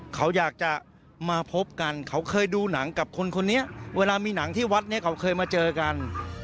เขาอยากจะมาพบกันเขาเคยดูหนังกับคนคนนี้เวลามีหนังที่วัดเนี่ยเขาเคยมาเจอกัน